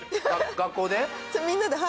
学校で？